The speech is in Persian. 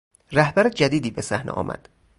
رهبر جدیدی به صحنه آمد.